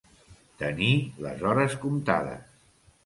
Tenir les hores comptades.